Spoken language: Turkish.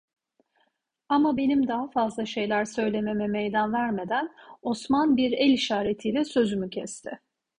Ama benim daha fazla şeyler söylememe meydan vermeden, Osman bir el işaretiyle sözümü kesti.